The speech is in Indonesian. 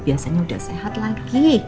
biasanya udah sehat lagi